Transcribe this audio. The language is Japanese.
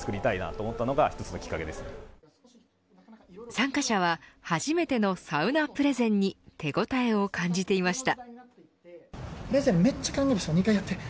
参加者は初めてのサウナプレゼンに手応えを感じていました。